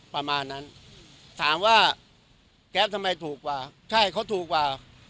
ประมาณนั้นถามว่าแก๊ปทำไมถูกกว่าใช่เขาถูกกว่า